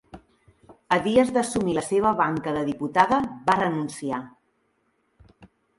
A dies d'assumir la seva banca de diputada va renunciar.